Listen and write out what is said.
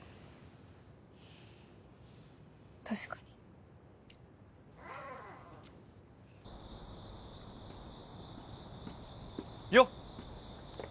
確かによっ！